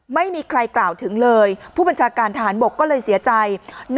ไม่มีใครกล่าวถึงเลยผู้บัญชาการทหารบกก็เลยเสียใจ